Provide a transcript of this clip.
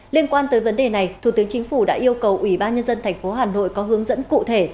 liên quan tới vấn đề này thủ tướng chính phủ đã yêu cầu ủy ban nhân dân tp hà nội có hướng dẫn cụ thể